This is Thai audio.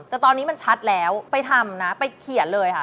แต่ตอนนี้มันชัดแล้วไปทำนะไปเขียนเลยค่ะ